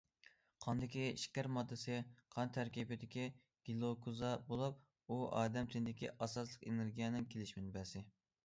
قاندىكى شېكەر ماددىسى قان تەركىبىدىكى گىلۇكوزا بولۇپ، ئۇ ئادەم تېنىدىكى ئاساسلىق ئېنېرگىيەنىڭ كېلىش مەنبەسى.